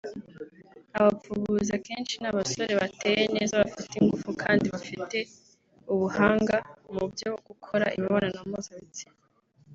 Abapfubuzi akenshi ni abasore bateye neza bafite ingufu kandi bafite ubuhanga mu byo gukora imibonano mpuzabitsina